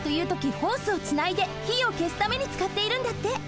ホースをつないでひをけすためにつかっているんだって。